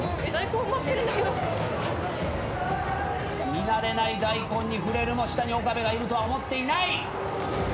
見慣れない大根に触れるも下に岡部がいるとは思っていない。